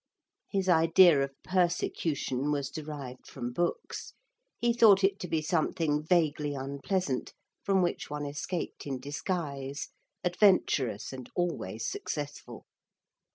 His idea of persecution was derived from books. He thought it to be something vaguely unpleasant from which one escaped in disguise adventurous and always successful.